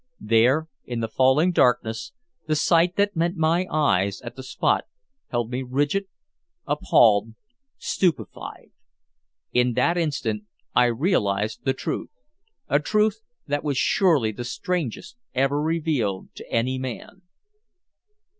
There, in the falling darkness, the sight that met my eyes at the spot held me rigid, appalled, stupefied. In that instant I realized the truth a truth that was surely the strangest ever revealed to any man.